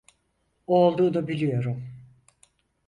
O olduğunu biliyorum.